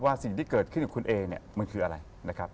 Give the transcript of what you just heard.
สิ่งที่เกิดขึ้นกับคุณเอเนี่ยมันคืออะไรนะครับ